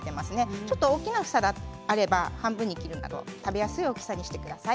ちょっと大きい房であれば半分に切るなど食べやすい大きさにしてください。